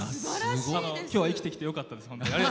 きょうは生きてきてよかったです。